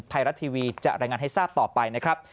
ไทยรัฐทีวีจะรายงานให้ทราบต่อไปนะครับ